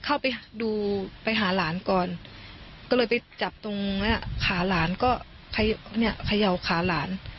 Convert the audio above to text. เข้าไปดูไปหาหลานก่อนก็เลยไปจับตรงเนี้ยขาหลานก็เนี่ยเขย่าขาหลาน